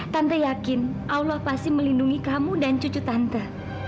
tanpa yakin allah pasti melindungi kamu dan cucu tante